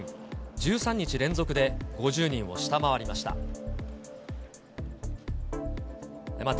１３日連続で５０人を下回りました。